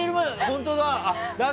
本当だ！